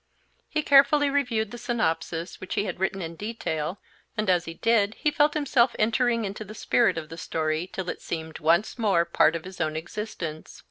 He carefully reviewed the synopsis, which he had written in detail, and as he did, he felt himself entering into the spirit of the story till it seemed once more part of his own existence.